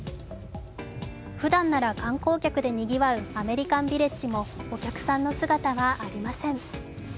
ふだんなら観光客でにぎわうアメリカンビレッジもお客さんの姿はありません。